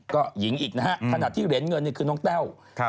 ก็หญิงอีกนะฮะขณะที่เหรียญเงินนี่คือน้องแต้ว